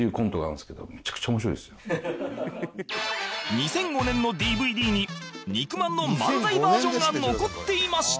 ２００５年の ＤＶＤ に「肉まん」の漫才バージョンが残っていました